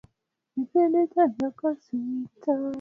kipindi cha miaka sita akiweza kurudishwa mara moja madarakani anaweza